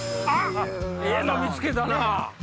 ええの見つけたな！